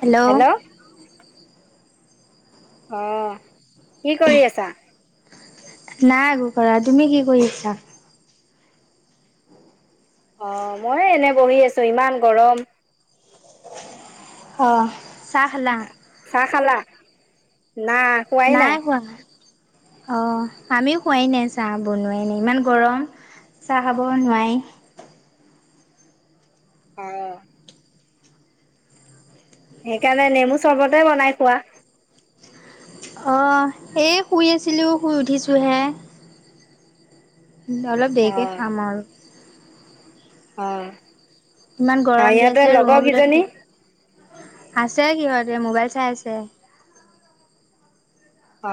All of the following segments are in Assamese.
হেল্ল'! অঁ, কি কৰি আছা? নাই একো কৰা। তুমি কি কৰিছা? অ মই এনে বহি আছো ইমান গৰম। অঁ চাহ খালা? চাহ খালা? না খোৱাই নাই। অ আমিও খোৱাই নাই চাহ বনোৱাই নাই ইমান গৰম। চাহ খাব নোৱাই। অ। সেইকাৰণে নেমু চৰ্বতে বনাই খোৱা। অ এই শুই আছিলো শুই উঠিছোঁ হে। অলপ দেৰিকে অ' খাম আৰু। অ। ইমান আৰু গৰম দি ইহঁতে আছে লগৰ ৰুমৰ ভিতৰত কেইজনী থাকি আছে সিহঁতে মোবাইল চাই আছে। অ।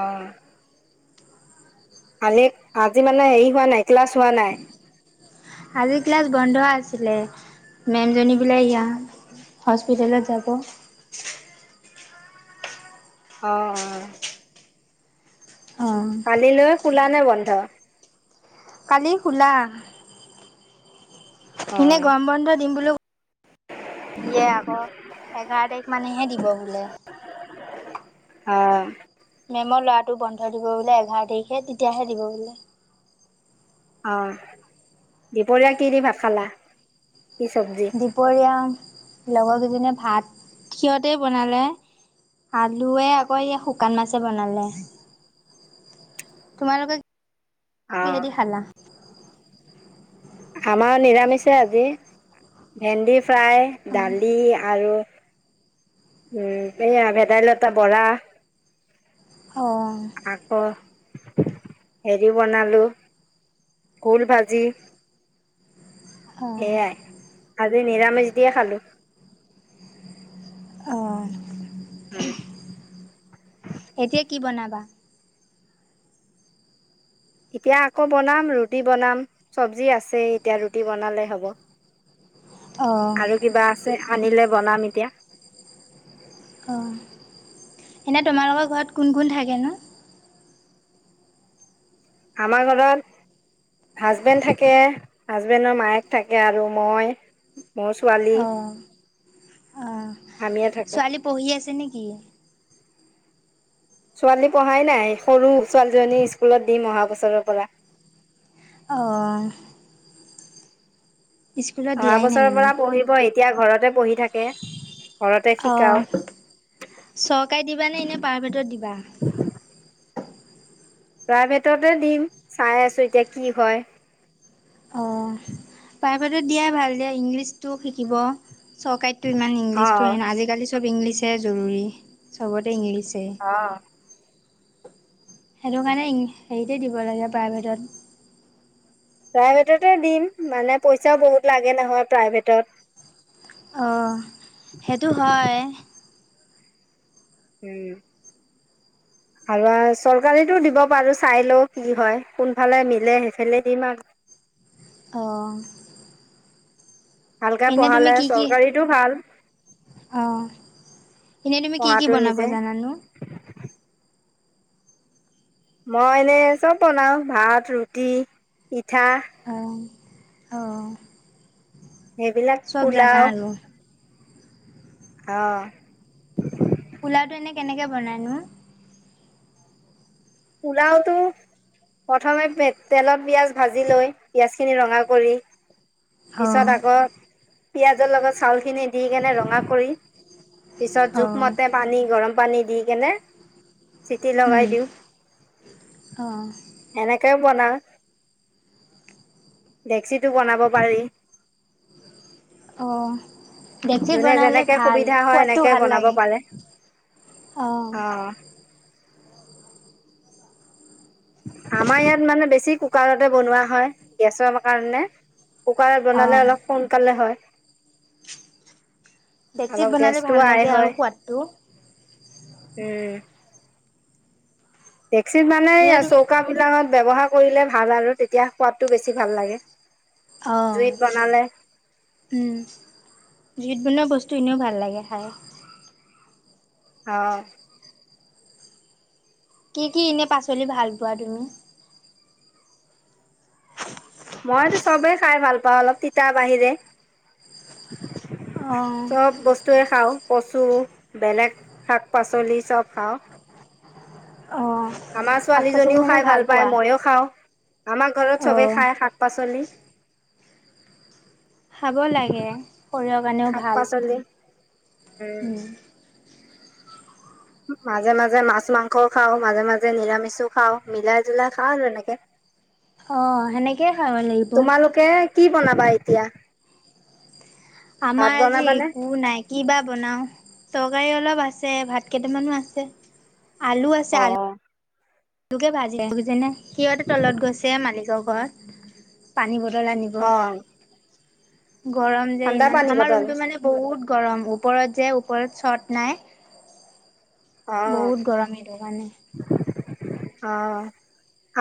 আলি আজি মানে হেৰি হোৱা নাই ক্লাছ হোৱা নাই? আজি ক্লাছ বন্ধ আছিলে। মেমজনী বোলে ইয়াত হস্পিটেলত যাব। অ অ। অহঁ। কালিলৈ খোলা নে বন্ধ? কালি খোলা। এনে অ' গৰম বন্ধ দিম বুলিও দিয়ে আকৌ এঘাৰ তাৰিখ মানেহে দিব বোলে। অ। মেমৰ ল'ৰাটো বন্ধ দিব বোলে এঘাৰ তাৰিখে তেতিয়াহে দিব বোলে। অ দুপৰীয়া কিদি ভাত খালা? কি চব্জি? দুপৰীয়া লগৰ কেইজনীয়ে ভাত সিহতেই বনালে। আলুৱে তোমালোকে অ' কিহেদি খালা? আমাৰ নিৰামিষে আজি ৷ উম এয়া ভেদাইলতা বৰা আকৌ অঁ। হেৰি বনালো ভোল ভাজি অঁ। সেয়াই আজি নিৰামিচ দিয়ে খালো। অ উম। এতিয়া কি বনাবা? এতিয়া আকৌ বনাম ৰুটি বনাম চব্জি আছেই, এতিয়া ৰুটি বনালে হ'ব। অ আৰু কিবা আছে? আনিলে বনাম এতিয়া। অ' এনেই তোমালোকৰ ঘৰত কোন কোন থাকেনো? আমাৰ ঘৰত হাজবেণ্ড থাকে, হাজবেণ্ডৰ মায়েক থাকে আৰু মই মোৰ ছোৱালী। অ অ আমিয়ে থাকো ছোৱালী পঢ়ি আছে নেকি? ছোৱালী পঢ়াই নাই। সৰু ছোৱালীজনী স্কুলত দিম অহা বছৰৰ পৰা। অ'। স্কুলত অহা দিয়াই নাই বছৰৰ মানে। পৰা পঢ়িব। এতিয়া ঘৰতে পঢ়ি থাকে। ঘৰতে অ' শিকাও চৰকাৰীত দিবা নে এনেই প্ৰাইভেটত দিবা? প্ৰাইভেটতে দিম, চাই আছো এতিয়া কি হয়? অ' প্ৰাইভেটত দিয়া ভাল দিয়া। ইংলিছটো শিকিব। চৰকাৰীতটো ইমান ইংলিছতো অ', নাই। আজিকালি চব ইংলিছহে জৰুৰী। চবতে ইংলিছ অ'। সেইটোকাৰণে হেৰিতে দিব লাগে প্ৰাইভেটত। প্ৰাইভেটতে দিম মানে, পইচাও বহুত লাগে নহয় প্ৰাইভেটত! অ' সেইটো হয়। উম। আৰু চৰকাৰীতো দিব পাৰো চাই লও। কি হয়? কোনফালে মিলে সেইফালে দিম আৰু। অ'। ভালকে এনে তুমি পঢ়ালে কি কি চৰকাৰীতো ভাল। অ' এনেই তুমি কি কি পঢ়াটো বনাব নিজে। জানানো? মই এনে চব বনাও, ভাত, ৰুটি পিঠা অ', অ'। সেইবিলাক চব জানা পোলাও আৰু অ'। পোলাওটো এনে কেনেকে বনাইনো? পোলাওতো প্ৰথমে তেলত পিয়াঁজ ভাজি লৈ, পিয়াঁজখিনি ৰঙা কৰি অ', পিছত আকৌ পিয়াঁজৰ লগত চাউলখিনি দি কেনে, ৰঙা কৰি পিছত অ', জোখমতে পানী, গৰমপানী দি কেনে চিটি উম, লগাই দিওঁ। অ'। বনা ডেক্সিটো বনাব পাৰি। অ' ডেক্সিত যোনে বনালে যেনেকৈ ভাল। সুবিধা হয় সোৱাদটো সেনেকৈ ভাল বনাব লাগে। পাৰে অ'। অঁ আমাৰ ইয়াত মানে বেছি কুকাৰতে বনোৱা হয়। গেছৰ কাৰণে কুকাৰত অ বনালে অলপ সোনকালে হয়। ডেকচিত অলপ বনালে গেছটো ভাল আয় লাগে আৰু হয়। সোৱাদটো উম। ডেক্সিত মানে এনে তুমি চৌকাবিলাকত ব্যৱহাৰ কৰিলে ভাল আৰু। তেতিয়া সোৱাদটো বেছি ভাল লাগে। অ', জুইত বনালে উম। জুইত বনোৱা বস্তু এনেও ভাল লাগে খাই। অ'। কি কি এনে পাচলি ভাল পোৱা তুমি? মইতো চবে খাই ভাল পাওঁ, অলপ তিতাৰ বাহিৰে অ চব বস্তুৱে খাওঁ, কচু, বেলেগ শাক-পাচলি চব খাওঁ। অ আমাৰ শাক পাচলি ছোৱালীজনীও মানে খাই ভাল পায়। পোৱা? ময়ো খাওঁ, আমাৰ ঘৰত অ চবে খাই শাক-পাচলি। খাব লাগে, শৰীৰৰ কাৰণেও শাক ভাল। পাচলি উম মাজে মাজে মাছ-মাংসও খাওঁ। মাজে মাজে নিৰামিষো খাওঁ। মিলাই-জুলাই খাওঁ আৰু এনেকে। অ সেনেকেইে খাব লাগিব। তোমালোকে কি বনাবা এতিয়া? ভাত আমাৰ আজি বনাবানে একো নাই কিবা বনাও? চক তৰকাৰী অলপ আছে ভাত কেইটামানো আছে আলু আছে অ আলু। লোকে ভাজি আহ যেনে সিহঁতে তলত গৈছে মালিকৰ ঘৰত পানী ব বতল আনিব। অ গৰম যে ঠাণ্ডা ইমান, পানী আমাৰ বটল ৰুমতটো মানে বহুত গৰম ওপৰত যে চত নাই। বহুত গৰম সেইটো কাৰণে। আহ আহ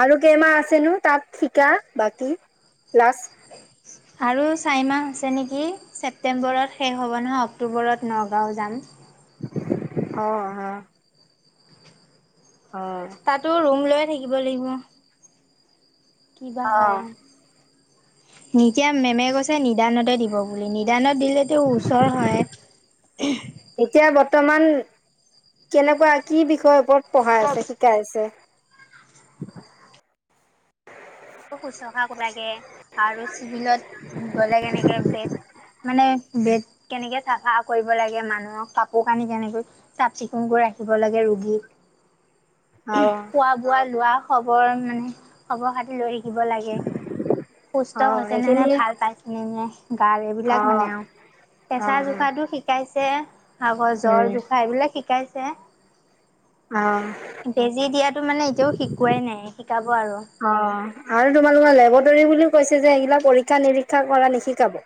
আৰু কেইমাহ আছেনো তাত শিকা বাকী প্লাছ আৰু চাৰিমাহ আছে নেকি ছেপ্টেম্বৰত শেষ হ'ব নহয় অক্টোবৰত নগাঁও যাম। অ আহ। তাতো ৰুম লৈয়ে থাকিব লাগিব। কিবা অ হয়। অ ইতিয়া মেমে কৈছে নিদানতে দিব বুলি নিদানত দিলেটো ওচৰ হয়। এতিয়া বৰ্তমান কেনেকুৱা কি বিষয়ৰ ওপৰত পঢ়াই আছে শিকাই আছে। [inaudible] শুশ্ৰূষা কৰা লাগে আৰু চিভিলত গ'লে কেনেকৈ বেড মানে বেত কেনেকে চাফা কৰিব লাগে মানুহক কাপোৰ কানি কেনেকৈ চাফ চিকুণ কৰা ৰাখিব লাগে ৰোগীক। অ', খোৱা বোৱা লোৱা খবৰ মানে খবৰ খাতি লৈ থাকিব লাগে। সুস্থ অ', হৈছে ন নে নাই, সেইখিনি ভাল পাইছে নে নাই, গাৰ এইবিলাক মানে অ', আৰু। পেচাৰ অ', জোখাটো শিকাইছে আগৰ উম, জ্বৰ জোখা এইবিলাক শিকাইছে। অ', বেজি দিয়াটো মানে এতিয়াও শিকোৱাই নাই শিকাব আৰু। অ', আৰু তোমালোকৰ লেবটৰী বুলিও কৈছে যে এইগিলাক পৰীক্ষা নিৰীক্ষা কৰা নিশিকাব?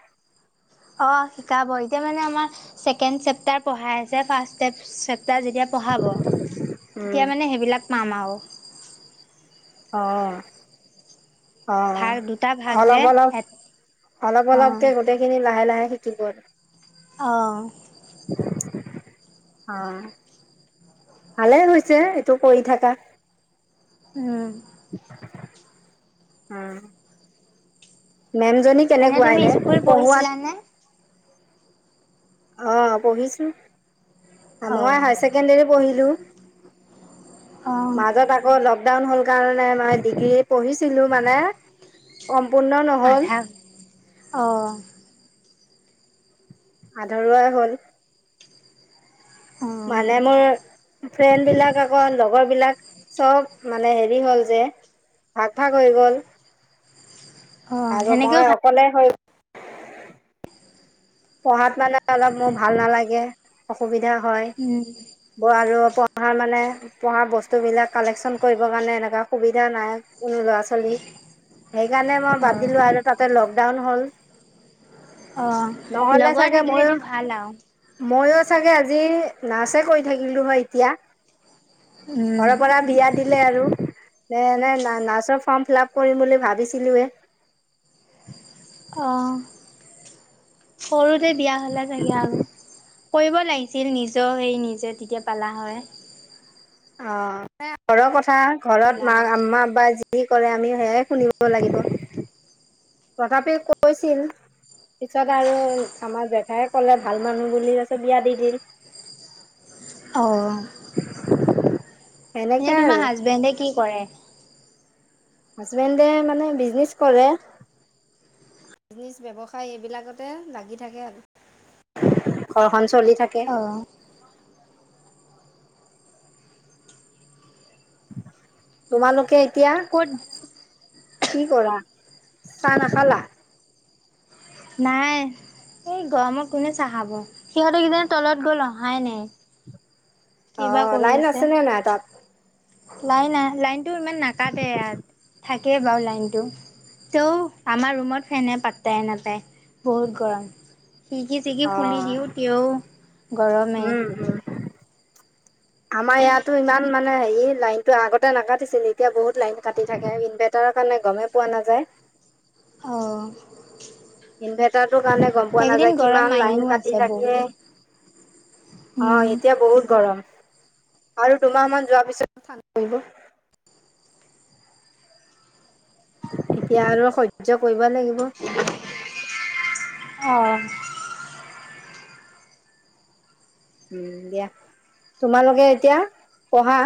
অঁ শিকাব, এতিয়া মানে আমাৰ ছেকেণ্ড চেপ্টাৰ পঢ়াই আছে ফাৰ্ষ্ট চেপটাৰ যেতিয়া পঢ়াব উম, তেতিয়া মানে সেইবিলাক পাম আৰু। অ। অ ভাগ দুটা ভাগ যে অলপ - অলপ, এট অলপ- অলপকে অ', গোটেইখিনি লাহে লাহে। থাকিব। অঁ আহ। ভালেই হৈছে এইটো কৰি থাকা। উম, উম। মেম জনী কেনেকুৱাই তুমি এনে স্কুল পঢ়োৱাত। পঢ়িছিলানে? অ পঢ়িছোঁ, মই অ', হায়াৰ ছেকেণ্ডেৰী পঢ়িলোঁ। অ', মাজত আকৌ লকডাউন হ'ল। কাৰণে মই ডিগ্ৰী পঢ়িছিলো মানে। সম্পূৰ্ণ নহ'ল। আধা অ', আধৰুৱা হ'ল। অ', মানে মোৰ ফ্ৰেণ্ড বিলাক আকৌ লগৰ বিলাক চব মানে হেৰি হ'ল যে। ভাগ ভাগ হৈ গ'ল। অ', আৰু সেনেকেও মই ভাল অকলে হৈ পঢ়াত মানে অলপ মোৰ ভাল নালাগে, অসুবিধা হয় উম, ম আৰু পঢ়াৰ মানে পঢ়া বস্তুবিলাক কালেকশ্যন কৰিবৰ কাৰণে এনেকুৱা সুবিধা নাই কোনো ল'ৰা ছোৱালী। উ [inaudible] সেইকাৰণে মই বাদ দিলো আৰু তাতে লকডাউন হল। অ। নহ'লে লগৰ চাগে ময়ো থাকিলেতো ভাল আৰু ময়ো চাগে আজি। নাৰ্চে কৈ থাকিলো হয় এতিয়া উম, ঘৰৰ পৰা বিয়া দিলে আৰু ন নাই না নাৰ্ছৰ ফৰ্ম ফিলআপ কৰিম বুলি ভাবিছিলোঁ হে। আহঁ সৰুতে বিয়া হ'লে বেয়া কৰিব লাগিছিল নিজেও হেইৰি নিজে তেতিয়া পালা হয়। অ ঘৰৰ কথা ঘৰত হ'লা মা হয়। আমা বা যি কি কৰে আমি সেয়াই শুনিব লাগিব তথাপি কৈছিল। পিছত আৰু আমাৰ জেঠাই কলে ভাল মানুহ বুলি আছে বিয়া দি দিল। অ এনে সেনেকে তোমাৰ আৰু হাজবেণ্ডে কি কৰে? হাজবেণ্ডে মানে বিজনেচ কৰে। বিজনেচ ব্যৱসায় এইবিলাকতে লাগি থাকে আৰু চলি থাকে অ', তোমালোকে এতিয়া ক'ত কি কৰা চাহ নাখালা? নাই এই গৰমত কোনে চাহ খাব সিহঁত কিজান তলত গ'ল অহাই নাই অ কিবা কৰি লাইন আছে। আছেনে নাই তাত লাইন আ লাইনটো ইমান নাকাটে ইয়াত থাকেই বাৰু লাইনটো তেওঁ আমাৰ ৰুমত ফেনে পাত্তাই নাপায় বহুত গৰম খিৰিকী চিৰিকি খুলি অ' দিওঁ তেওঁ গৰমে উম, উম। আমাৰ ইয়াতো ইমান মানে হেৰি লাইনটো আগতে নাকাটিছিল এতিয়া বহুত লাইন কাটি থাকে ইনভাৰ্টাৰ কাৰণে গমেই পোৱা নাযায় অ ইনভাৰ্টাৰটো কাৰণে গম পোৱা এইকেইদিন নাযায় গৰম কিমান লাইন মাৰিও কাটি আছে বহুত। থাকে অ উম, এতিয়া বহুত গৰম আৰু দুমাহ মান যোৱাৰ পিছত ঠাণ্ডা পৰিব এতিয়া আৰু সহ্য কৰিব লাগিব অ উম দিয়া তোমালোকে এতিয়া পঢ়া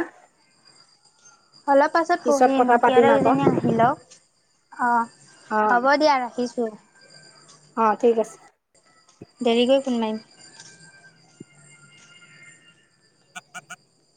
অলপ পাছত পিছত পঢ়িম কথা সিঁহতৰ পাতিম আকৌ কেইজনী আহি লওক অ অ', হ'ব দিয়া ৰাখিছোঁ অ ঠিক আছে দেৰিকৈ ফোন মাৰিম [unintelligible]